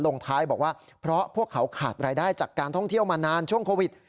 ลงท้ายบอกว่าเพราะพวกเขาขาดรายได้จากการท่องเที่ยวมานานช่วงโควิด